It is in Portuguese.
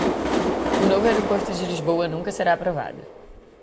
O novo aeroporto de Lisboa nunca será aprovado!